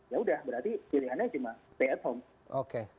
ya udah berarti pilihannya cuma stay at home